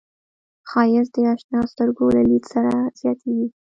ښایست د اشنا سترګو له لید سره زیاتېږي